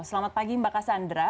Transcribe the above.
selamat pagi mbak cassandra